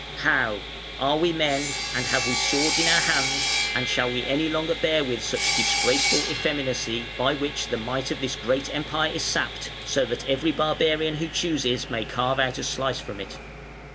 "How? Are we men, and have we swords in our hands, and shall we any longer bear with such disgraceful effeminacy, by which the might of this great Empire is sapped, so that every barbarian who chooses may carve out a slice from it?"